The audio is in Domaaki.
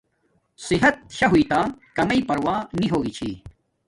صحت شاہ ہوݵݵ تکامݵ پروا نی ہوگی چھی